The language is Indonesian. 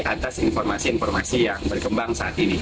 atas informasi informasi yang berkembang saat ini